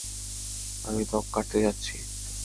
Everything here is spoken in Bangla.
আমি ত্বক কাটতে যাচ্ছি।